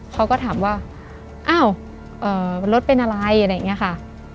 เขาก็ถามว่าอ้าวรถเป็นอะไรอะไรอย่างนี้ค่ะ